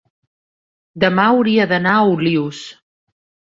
demà hauria d'anar a Olius.